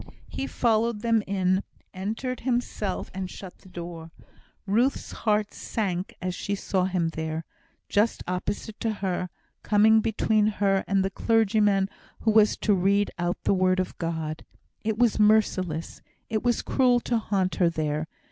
He followed them in, entered himself, and shut the door. Ruth's heart sank as she saw him there; just opposite to her; coming between her and the clergyman who was to read out the Word of God. It was merciless it was cruel to haunt her there.